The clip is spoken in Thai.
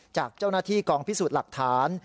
จากเจ้าหน้าที่กองพิสูจน์หลักฐาน